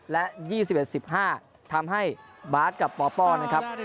๒๑๑๘และ๒๑๑๕ทำให้บาทกับปอปปอลนะครับ